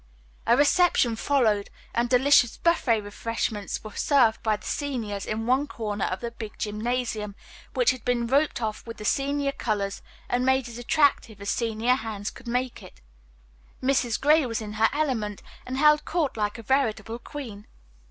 A reception followed, and delicious buffet refreshments were served by the seniors in one corner of the big gymnasium, which had been roped off with the senior colors and made as attractive as senior hands could make it. Mrs. Gray was in her element and held court like a veritable queen.